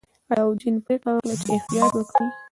علاوالدین پریکړه وکړه چې احتیاط وکړي.